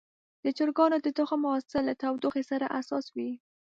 د چرګانو د تخم حاصل له تودوخې سره حساس وي.